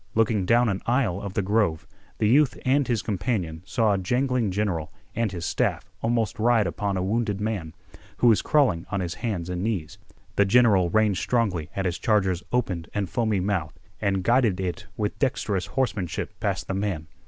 Looking down an aisle of the grove, the youth and his companion saw a jangling general and his staff almost ride upon a wounded man, who was crawling on his hands and knees. The general reined strongly at his charger's opened and foamy mouth and guided it with dexterous horsemanship past the man.